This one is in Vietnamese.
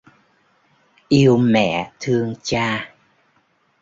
Yêu mẹ thương cha